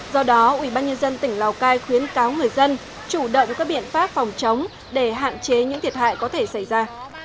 do đó ubnd tỉnh lào cai khuyến cáo người dân chủ động các biện pháp phòng chống để hạn chế những thiệt hại có thể xảy ra